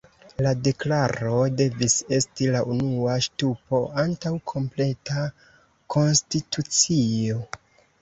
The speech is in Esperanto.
La Deklaro devis esti la unua ŝtupo antaŭ kompleta konstitucio.